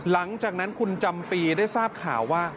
หลังจากนั้นคุณจำปีได้ทราบข่าวว่า